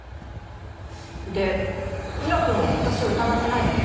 で宇良君は私を疑ってないわけ？